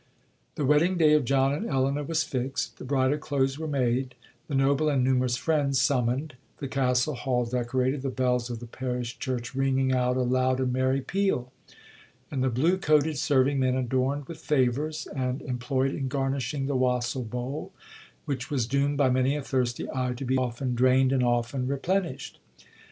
'The wedding day of John and Elinor was fixed,—the bridal clothes were made,—the noble and numerous friends summoned,—the Castle hall decorated, the bells of the parish church ringing out a loud and merry peal, and the blue coated serving men adorned with favours, and employed in garnishing the wassail bowl, which was doomed by many a thirsty eye to be often drained and often replenished.